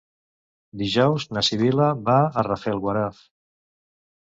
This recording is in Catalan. Dijous na Sibil·la va a Rafelguaraf.